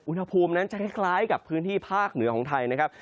อุณหภูมินั้นจะคล้ายกับพื้นที่ภาคเหนือของไทยนะครับ